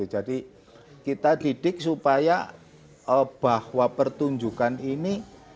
jadi kita didik supaya bahwa pertunjukan ini